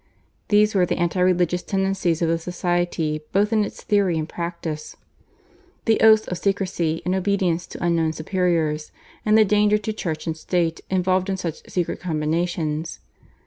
These were the anti religious tendencies of the society both in its theory and practice, the oaths of secrecy and obedience to unknown superiors, and the danger to Church and State involved in such secret combinations.